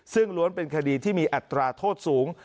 ซึ่งล้วนเป็นคดีที่มีอัตราโทษสูง